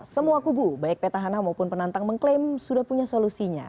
semua kubu baik petahana maupun penantang mengklaim sudah punya solusinya